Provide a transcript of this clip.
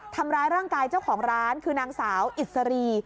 ทำร้ายร่างกายเจ้าของร้านคือนางสาวอิสรี